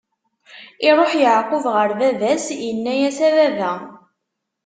Iṛuḥ Yeɛqub ɣer baba-s, inna-yas: A baba!